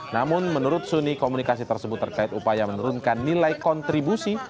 namun menurut suni komunikasi tersebut terkait upaya menurunkan nilai kontribusi